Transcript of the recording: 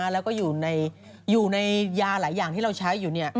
แล้วก็อยู่ในยาหลายอย่างที่เราใช้อยู่